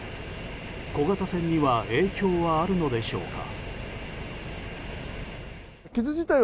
小型船には影響はあるのでしょうか？